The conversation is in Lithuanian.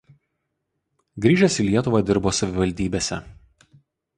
Grįžęs į Lietuvą dirbo savivaldybėse.